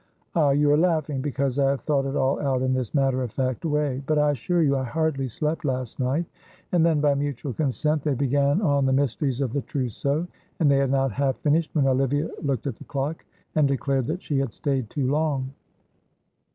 Ah, you are laughing, because I have thought it all out in this matter of fact way, but I assure you I hardly slept last night." And then by mutual consent they began on the mysteries of the trousseau, and they had not half finished when Olivia looked at the clock and declared that she had stayed too long.